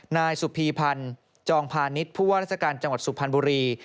นายสุพีพันธ์จองพาณิชย์ผู้ว่าราชการจังหวัดสุพรรณบุรี